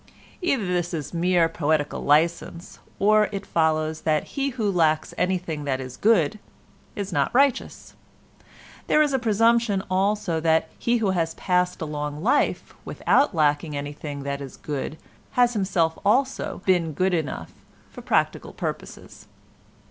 Either this is mere poetical license, or it follows that he who lacks anything that is good is not righteous; there is a presumption also that he who has passed a long life without lacking anything that is good has himself also been good enough for practical purposes.